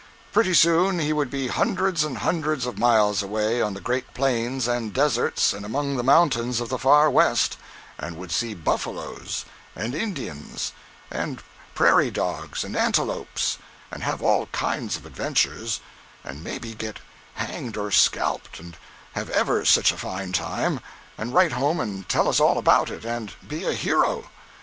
Pretty soon he would be hundreds and hundreds of miles away on the great plains and deserts, and among the mountains of the Far West, and would see buffaloes and Indians, and prairie dogs, and antelopes, and have all kinds of adventures, and may be get hanged or scalped, and have ever such a fine time, and write home and tell us all about it, and be a hero.